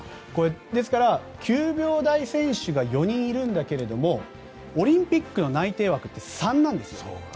ですから９秒台選手が４人いるんだけどオリンピックの内定枠って３なんですよね。